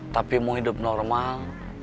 tapi mau hidup normal